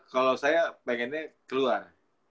kalau saya pengennya keluar